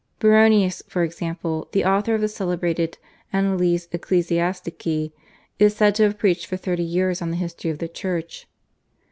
Baronius, for example, the author of the celebrated /Annales Ecclesiastici/, is said to have preached for thirty years on the history of the Church.